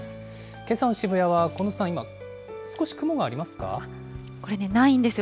けさの渋谷は近藤さん、少し雲がこれね、ないんですよ。